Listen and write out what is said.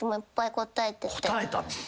答えたの？